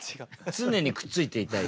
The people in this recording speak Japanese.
常にくっついていたい。